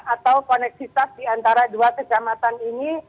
atau koneksitas di antara dua kecamatan ini